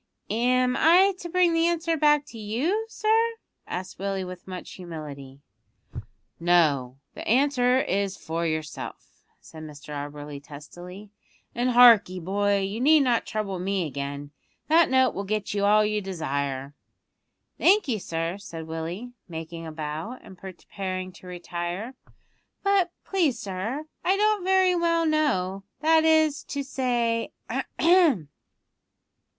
"Am I to bring the answer back to you, sir?" asked Willie with much humility. "No; the answer is for yourself," said Mr Auberly testily; "and hark 'ee, boy, you need not trouble me again. That note will get you all you desire." "Thank you, sir," said Willie, making a bow, and preparing to retire; "but please, sir, I don't very well know, that is to say ahem!"